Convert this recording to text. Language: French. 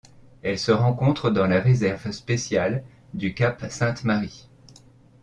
Elle se rencontre dans la réserve spéciale du Cap Sainte-Marie.